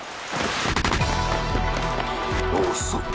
遅っ。